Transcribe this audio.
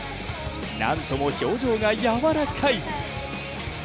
なんとも表情が柔らかい。